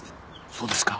そうですか。